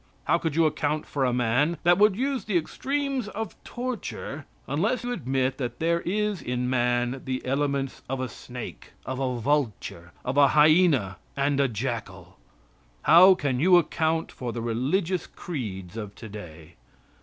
How could you account for a man that would use the extremes of torture unless you admit that there is in man the elements of a snake, of a vulture, a hyena, and a jackal? How can you account for the religious creeds of today?